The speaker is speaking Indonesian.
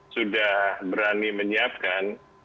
sudah berani menyiapkan